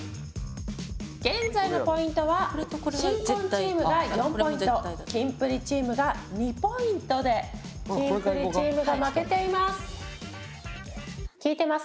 現在のポイントは新婚チームが４ポイントキンプリチームが２ポイントでキンプリチームが負けています。